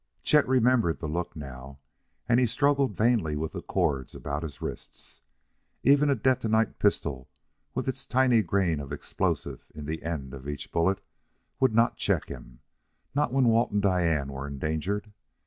Chet remembered the look now, and he struggled vainly with the cords about his wrists. Even a detonite pistol with its tiny grain of explosive in the end of each bullet would not check him not when Walt and Diane were endangered.